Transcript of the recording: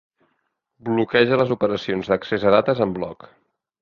Bloqueja les operacions d'accés a dates en bloc.